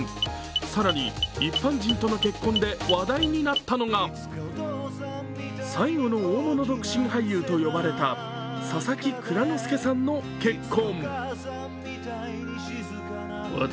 更に一般人との結婚で話題になったのが最後の大物独身俳優と呼ばれた佐々木蔵之介さんの結婚。